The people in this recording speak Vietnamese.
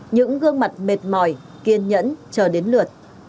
những gương mặt mệt mỏi kiên nhẫn chờ đến lượt